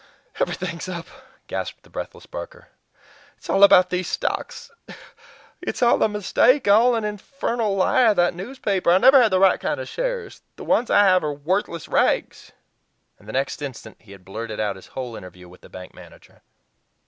"Everything's up," gasped the breathless Barker. "It's all up about these stocks. It's all a mistake; all an infernal lie of that newspaper. I never had the right kind of shares. The ones I have are worthless rags"; and the next instant he had blurted out his whole interview with the bank manager.